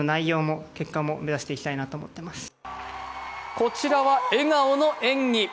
こちらは笑顔の演技。